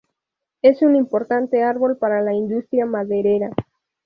Es un importante árbol para la industria maderera.